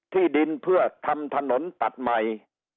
ที่ดินเพื่อทำถนนตัดใหม่